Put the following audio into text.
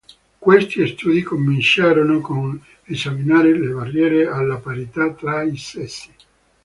Questi studi cominciarono con l'esaminare le barriere alla parità tra i sessi.